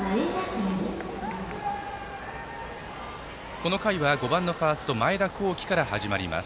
この回は５番のファースト前田幸輝から始まります。